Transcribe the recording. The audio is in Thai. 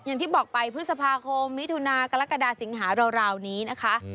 อย่างที่บอกไปพฤษภาคมมิถุนากรกฎาสิงหาราวนี้นะคะ